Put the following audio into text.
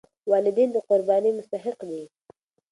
والدین د قربانۍ مستحق دي.